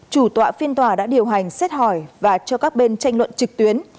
chủ tọa phiên tòa đã điều hành xét hỏi và cho các bên tranh luận trực tuyến